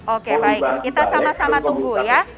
oke baik kita sama sama tunggu ya